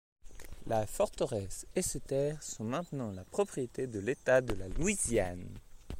La forteresse et ses terres sont maintenant la propriété de l'État de la Louisiane.